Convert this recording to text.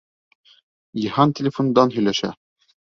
Йыһан телефондан һөйләшә.